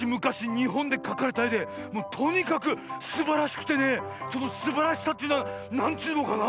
にほんでかかれたえでとにかくすばらしくてねそのすばらしさっていうのはなんちゅうのかな